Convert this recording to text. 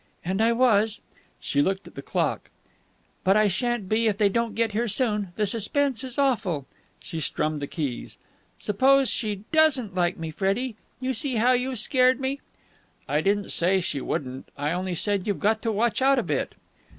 And I was." She looked at the clock. "But I shan't be if they don't get here soon. The suspense is awful." She strummed the keys. "Suppose she doesn't like me, Freddie! You see how you've scared me." "I didn't say she wouldn't. I only said you'd got to watch out a bit."